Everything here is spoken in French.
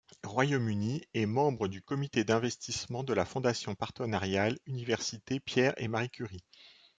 Royaume-Uni, et membre du comité d’investissement de la fondation partenariale Université Pierre-et-Marie-Curie.